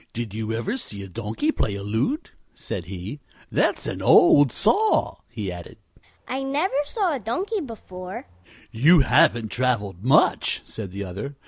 "Did you ever see a donkey play a lute?" said he. "That's an old saw," he added. "I never saw a donkey before," said Buddie. "You haven't traveled much," said the other.